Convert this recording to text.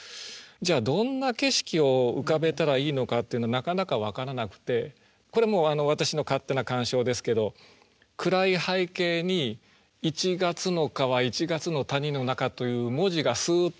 じゃあどんな景色を浮かべたらいいのかっていうのはなかなか分からなくてこれもう私の勝手な鑑賞ですけど暗い背景に「一月の川一月の谷の中」という文字がスッと川のように立ってると。